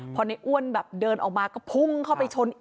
พอในอ้วนแบบเดินออกมาก็พุ่งเข้าไปชนอีก